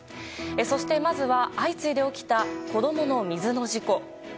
そして、まずは相次いで起きた子供の水の事故。